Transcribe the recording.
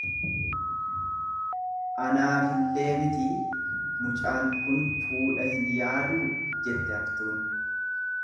Anaafillee mitii mucaan kun fuudha hin yaaduu jette haftuun.